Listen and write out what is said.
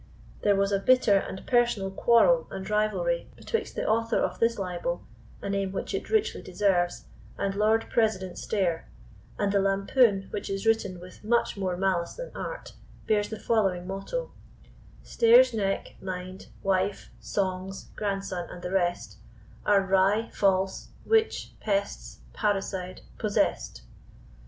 There was a bitter and personal quarrel and rivalry betwixt the author of this libel, a name which it richly deserves, and Lord President Stair; and the lampoon, which is written with much more malice than art, bears the following motto: Stair's neck, mind, wife, songs, grandson, and the rest, Are wry, false, witch, pests, parricide, possessed.